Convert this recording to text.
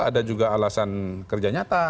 ada juga alasan kerja nyata